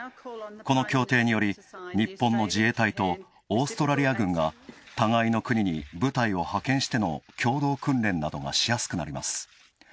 この協定により、日本の自衛隊とオーストラリア軍が互いの国に、部隊を派遣しての共同訓練などがしやすくなります。